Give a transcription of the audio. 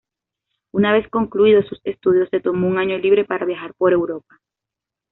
Una vez concluidos sus estudios, se tomó un año libre para viajar por Europa.